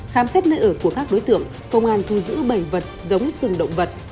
khám xét nơi ở của các đối tượng công an thu giữ bảy vật giống sừng động vật